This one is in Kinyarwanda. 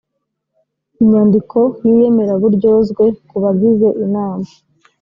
inyandiko y iyemeraburyozwe ku bagize inama